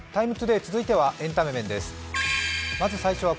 「ＴＩＭＥ，ＴＯＤＡＹ」続いてはエンタメ面です。